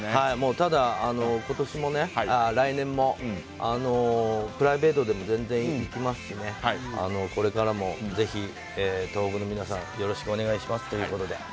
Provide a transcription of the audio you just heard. ただ、来年もプライベートでも全然行きますし、これからもぜひ東北の皆さん、よろしくお願いしますということで。